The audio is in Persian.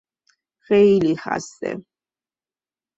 خیلی خسته